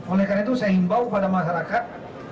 oleh karena itu saya himbau kepada masyarakat